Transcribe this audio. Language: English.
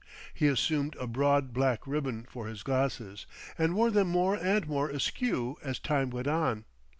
He assumed a broad black ribbon for his glasses, and wore them more and more askew as time went on.